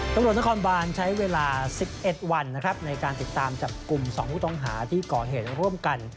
ตำรวจนครบานใช้เวลา๑๑วันนะครับในการติดตามจับกลุ่ม๒ผู้ต้องหาที่ก่อเหตุร่วมกัน